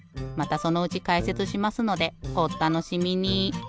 またそのうちかいせつしますのでおったのしみに。